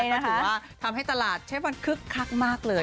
ก็ถือว่าทำให้ตลาดเชฟวันคึกคักมากเลย